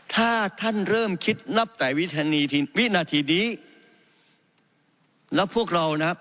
ถ้าท่านเริ่มคิดนับแต่วินาทีวินาทีนี้แล้วพวกเรานะครับ